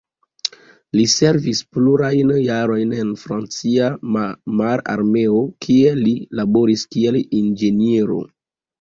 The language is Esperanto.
Li servis plurajn jarojn en la francia mararmeo, kie li laboris kiel inĝeniero.